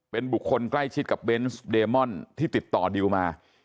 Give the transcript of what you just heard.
เป็นบุคคลใกล้ชิดกับเบนส์เดมอนที่ติดต่อดิวมา